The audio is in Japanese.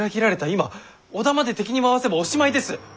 今織田まで敵に回せばおしまいです！